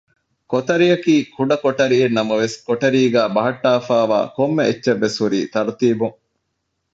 ކޮތަރިއަކީ ކުޑަ ކޮޓަރިއެއްނަމަވެސް ކޮޓަރީގައ ބަހައްޓާފައިވާ ކޮންމެ އެއްޗެއްވެސް ހުރީ ތަރުތީބުން